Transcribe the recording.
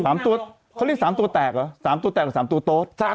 ๓ตัวแตกเขาเรียก๓ตัวแตกเหรอ๓ตัวแต่กับ๓ตัวโต๊ด